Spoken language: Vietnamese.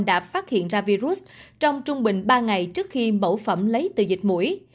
đã phát hiện ra virus trong trung bình ba ngày trước khi mẫu phẩm lấy từ dịch mũi